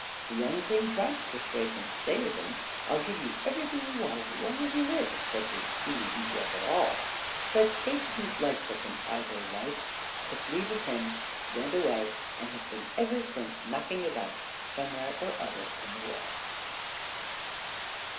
The young king tried to persuade them to stay with him. "I will give you everything you want, as long as you live," said he; "you needn't work at all." But they didn't like such an idle life, took leave of him, went away, and have been ever since knocking about somewhere or other in the world.